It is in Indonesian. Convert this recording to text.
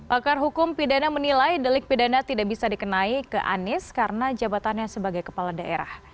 pakar hukum pidana menilai delik pidana tidak bisa dikenai ke anies karena jabatannya sebagai kepala daerah